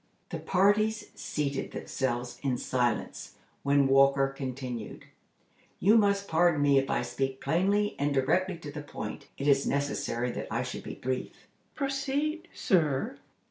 The parties seated themselves in silence, when Walker continued: "You must pardon me if I speak plainly, and directly to the point. It is necessary that I should be brief." "Proceed, sir."